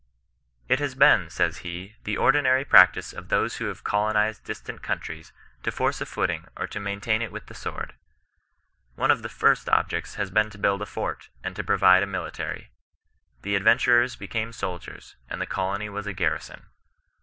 " It has been," says he, " the ordinary practice of those who have colonized distant countries, to force a footing, or to maintain it with the sword. One of the first objects has been to build a fort, and to provide a military. The adventurers became soldiers, and the colony was a garrison.